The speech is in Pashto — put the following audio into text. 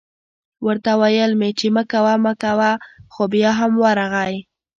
ورته ویل مې چې مه کوه مه کوه خو بیا هم ورغی